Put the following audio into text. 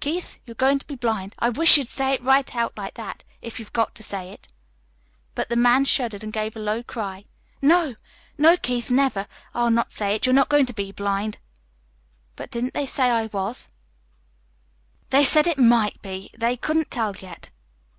'Keith, you're going to be blind.' I wish't you'd say it right out like that if you've got to say it." But the man shuddered and gave a low cry. "No, no, Keith, never! I'll not say it. You're not going to be blind!" "But didn't they say I was?" "They said they said it MIGHT be. They couldn't tell yet."